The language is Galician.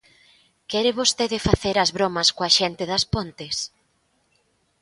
¿Quere vostede facer as bromas coa xente das Pontes?